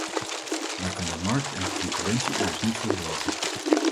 Daar kan de markt en de concurrentie immers niet voor zorgen.